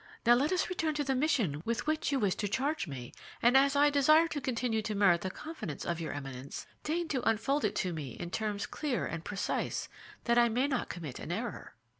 Now let us return to the mission with which you wish to charge me; and as I desire to continue to merit the confidence of your Eminence, deign to unfold it to me in terms clear and precise, that I may not commit an error."